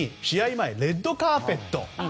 前レッドカーペット。